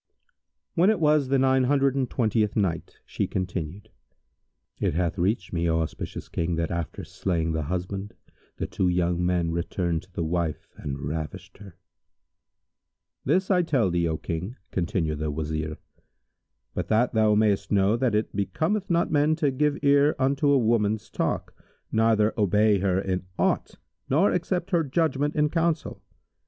When it was the Nine Hundred and Twentieth Night, She continued: It hath reached me, O auspicious King, that after slaying the husband the two young men returned to the wife and ravished her. "This I tell thee, O King," continued the Wazir, "But that thou mayst know that it becometh not men to give ear unto a woman's talk neither obey her in aught nor accept her judgment in counsel.